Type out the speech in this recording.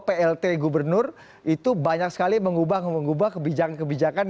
plt gubernur itu banyak sekali mengubah mengubah kebijakan kebijakan